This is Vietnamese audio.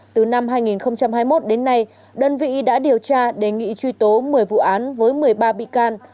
từ năm hai nghìn hai mươi một đến nay đơn vị đã điều tra đề nghị truy tố một mươi vụ án với một mươi ba bị can